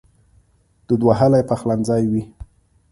دود وهلی پخلنځی وي